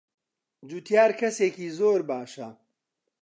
جوتیار کەسێکی زۆر باشە.